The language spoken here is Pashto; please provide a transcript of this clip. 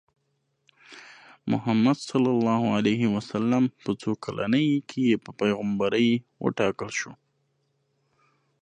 محمد ص په څو کلنۍ کې په پیغمبرۍ وټاکل شو؟